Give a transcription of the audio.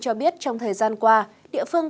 cho biết trong thời gian qua địa phương